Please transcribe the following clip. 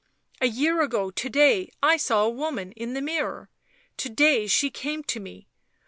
" A year ago to day I saw a woman in the mirror ; to day she came to me